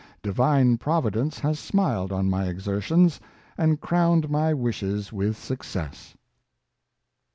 Di vine providence has smiled on my exertions, and crowned my wishes with success."